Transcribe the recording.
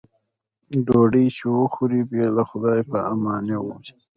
ډوډۍ چې وخوري بې له خدای په امانۍ وځي.